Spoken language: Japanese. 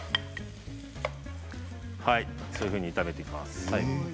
はいそういうふうに炒めていきます。